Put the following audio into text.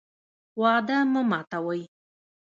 وعده مه ماتوئ